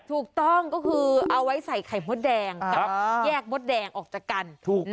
ถูกต้องก็คือเอาไว้ใส่ไข่มดแดงกับแยกมดแดงออกจากกัน